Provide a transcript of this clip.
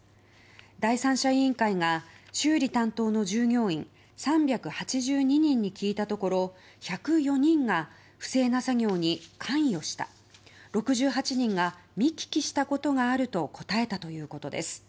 第三者委員会が修理担当の従業員３８２人に聞いたところ１０４人が不正な作業に関与した６８人が見聞きしたことがあると答えたということです。